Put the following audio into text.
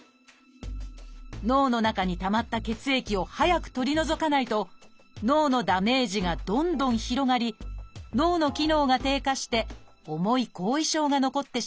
脳の中にたまった血液を早く取り除かないと脳のダメージがどんどん広がり脳の機能が低下して重い後遺症が残ってしまいます。